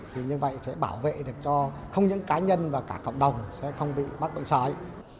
thì như vậy sẽ bảo vệ được cho không những cá nhân và cả cộng đồng sẽ không bị mắc bệnh sái